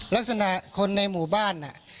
ลักษณะคนในหมู่บ้าน